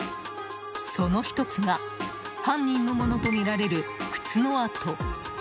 その１つが犯人のものとみられる靴の跡。